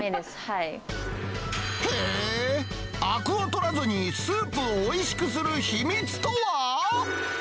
へー、あくを取らずに、スープをおいしくする秘密とは？